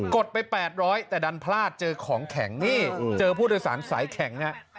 ดไป๘๐๐แต่ดันพลาดเจอของแข็งนี่เจอผู้โดยสารสายแข็งฮะ